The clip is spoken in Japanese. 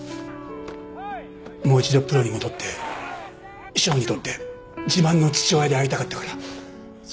もう一度プロに戻って翔にとって自慢の父親でありたかったから。